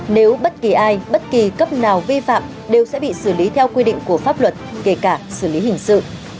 nếu bất kỳ ai bất kỳ cấp nào vi phạm đều sẽ bị xử lý theo quy định của pháp luật kể cả xử lý hình sự